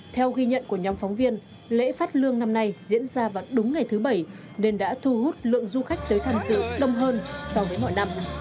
theo ghi nhận của nhóm phóng viên lễ phát lương năm nay diễn ra vào đúng ngày thứ bảy nên đã thu hút lượng du khách tới tham dự đông hơn so với mọi năm